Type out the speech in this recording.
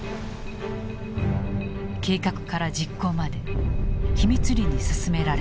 計画から実行まで秘密裏に進められた。